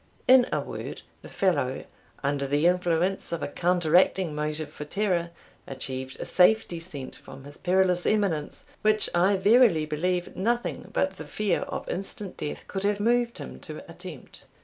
In a word, the fellow, under the influence of a counteracting motive for terror, achieved a safe descent from his perilous eminence, which, I verily believe, nothing but the fear of instant death could have moved him to attempt.